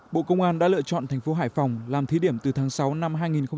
bộ công an đã lựa chọn thành phố hải phòng làm thí điểm từ tháng sáu năm hai nghìn hai mươi